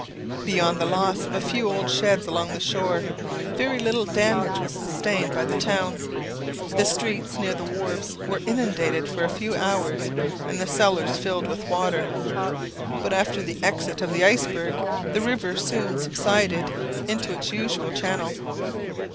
Beyond the loss of a few old sheds along the shore, very little damage was sustained by the town. The streets near the wharfs were inundated for a few hours, and the cellars filled with water; but after the exit of the iceberg, the river soon subsided into its usual channel.